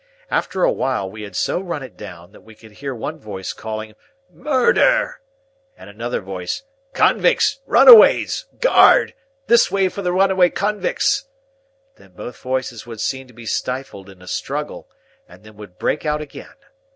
After a while, we had so run it down, that we could hear one voice calling "Murder!" and another voice, "Convicts! Runaways! Guard! This way for the runaway convicts!" Then both voices would seem to be stifled in a struggle, and then would break out again.